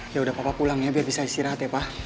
yaudah papa pulang ya biar bisa istirahat ya pak